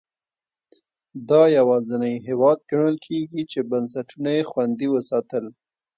دا یوازینی هېواد ګڼل کېږي چې بنسټونه یې خوندي وساتل.